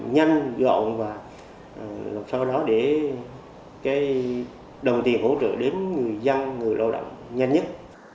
nhanh gọn và sau đó để đồng tiền hỗ trợ đến người dân người lao động nhanh nhất